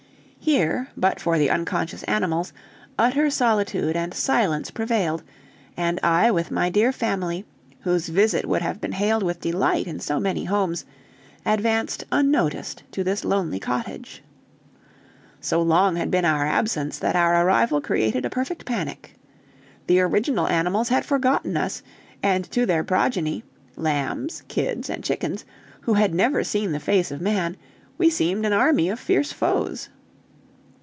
Here, but for the unconscious animals, utter solitude and silence prevailed, and I with my dear family, whose visit would have been hailed with delight in so many homes, advanced unnoticed to this lonely cottage. So long had been our absence that our arrival created a perfect panic. The original animals had forgotten us, and to their progeny, lambs, kids, and chickens, who had never seen the face of man, we seemed an army of fierce foes.